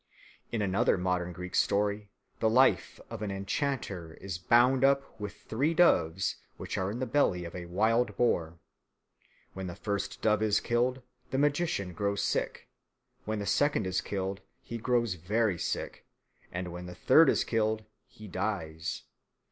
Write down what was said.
In another modern Greek story the life of an enchanter is bound up with three doves which are in the belly of a wild boar. When the first dove is killed, the magician grows sick; when the second is killed, he grows very sick; and when the third is killed, he dies.